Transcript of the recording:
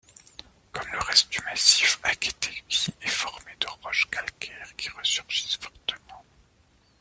Comme le reste du massif, Aketegi est formé de roches calcaires qui ressurgissent fortement.